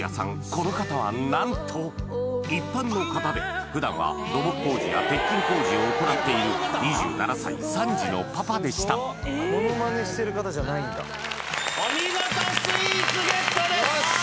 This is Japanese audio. この方は何と一般の方で普段は土木工事や鉄筋工事を行っている２７歳３児のパパでしたお見事スイーツゲットですよし！